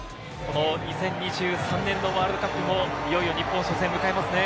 ２０２３年のワールドカップもいよいよ日本初戦を迎えますね。